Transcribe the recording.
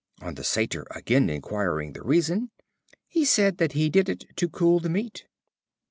On the Satyr again inquiring the reason, he said that he did it to cool the meat.